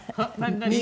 何？